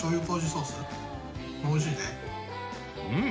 うん。